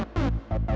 nih gue ngerjain